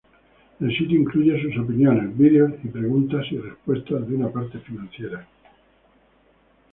El sitio incluye sus opiniones, videos, y preguntas y respuestas de una parte financiera.